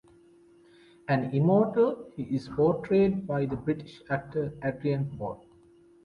An Immortal, he is portrayed by the British actor Adrian Paul.